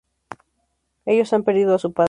Ellos han perdido a su padre.